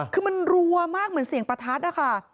คือมันรัวมากเหมือนเสียงประทัดนะคะ